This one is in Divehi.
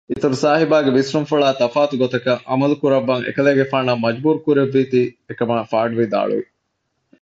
އިތުރުސާހިބާގެ ވިސްނުންފުޅާ ތަފާތު ގޮތަކަށް ޢަމަލުކުރައްވަން އެކަލޭގެފާނަށް މަޖްބޫރު ކުރެއްވީތީ އެކަމާ ފަޑުވިދާޅުވި